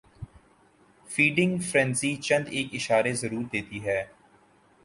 feeding frenzy چند ایک اشارے ضرور دیتی ہے